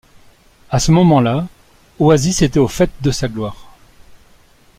À ce moment-là, Oasis était au faîte de sa gloire.